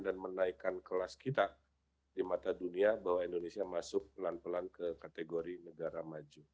dan menaikkan kelas kita di mata dunia bahwa indonesia masuk pelan pelan ke kategori negara maju